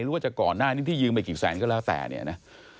หรือว่าจะก่อนหน้านี้ที่ยืมไปกี่แสนก็แล้วแต่เนี่ยนะ